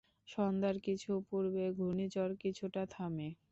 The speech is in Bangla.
সন্ধ্যার কিছু পূর্বে ঘূর্ণিঝড় কিছুটা থামে।